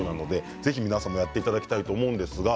ぜひ皆さんもやっていただきたいと思います。